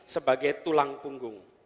sebagai tulang punggung